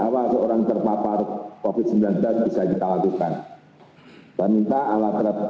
pemerintah juga bergerak dalam penanganan covid sembilan belas